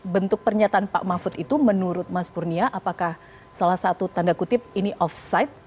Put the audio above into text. bentuk pernyataan pak mahfud itu menurut mas kurnia apakah salah satu tanda kutip ini offside